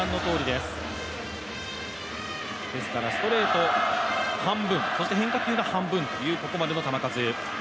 ですからストレート半分、変化球が半分という、ここまでの球数。